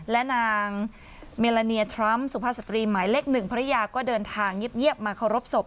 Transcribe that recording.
และนางเมลาเนียทรัมป์สุภาพสตรีหมายเลข๑ภรรยาก็เดินทางเงียบมาเคารพศพ